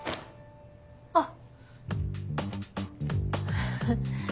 あっ。